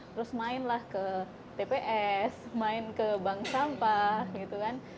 terus mainlah ke tps main ke bank sampah gitu kan